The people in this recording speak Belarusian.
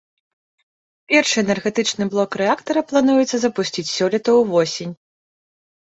Першы энергетычны блок рэактара плануецца запусціць сёлета ўвосень.